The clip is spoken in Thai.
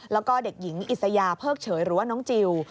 แล้วก็เด็กหญิงอิสยาเพิกเฉยหรือว่าน้องจิล